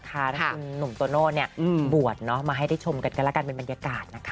ถ้าคุณหนุ่มโตโน่บวชมาให้ได้ชมกันกันแล้วกันเป็นบรรยากาศนะคะ